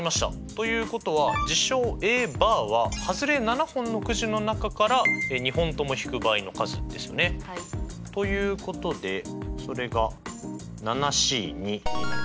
ということは事象Ａバーははずれ７本のくじの中から２本とも引く場合の数ですよね。ということでそれがＣになりますね。